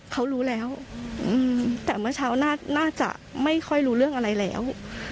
เขารู้แล้วแต่เมื่อเช้าน่าจะไม่ค่อยรู้เรื่องอะไรแล้ว